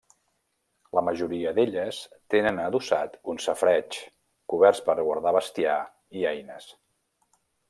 La majoria d'elles tenen adossat un safareig, coberts per guardar bestiar i eines.